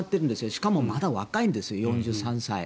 しかもまだ若いんです、４３歳。